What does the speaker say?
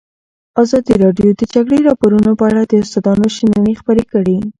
ازادي راډیو د د جګړې راپورونه په اړه د استادانو شننې خپرې کړي.